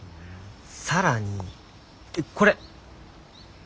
更にこれ。